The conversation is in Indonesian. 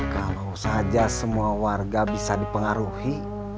kalau saja semua warga bisa dipengaruhi